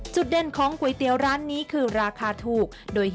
เด่นของก๋วยเตี๋ยวร้านนี้คือราคาถูก